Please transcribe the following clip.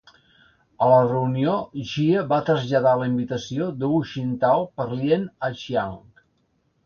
A la reunió, Jia va traslladar la invitació de Hu Jintao per Lien a Chiang.